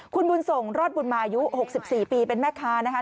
คุณบุญส่งรอดบุญมายุ๖๔ปีเป็นแม่ค้านะคะ